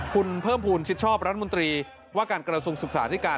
คุณเพิ่มภูมิชิดชอบรัฐมนตรีว่าการกระทรวงศึกษาที่การ